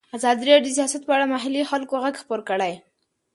ازادي راډیو د سیاست په اړه د محلي خلکو غږ خپور کړی.